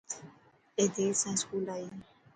اي دير سان اسڪول آئي.